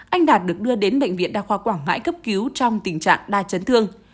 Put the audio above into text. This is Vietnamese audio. anh đạt được đưa đến bệnh viện đa khoa quảng ngãi cấp cứu trong tình trạng đa chấn thương